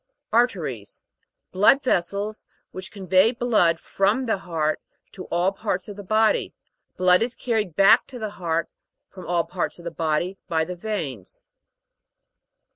AR'TERIES. Blood vessels, which con vey blood from the heart, to all parts of the body : blood is carried back to the heart, from all parts of the body, by the veins.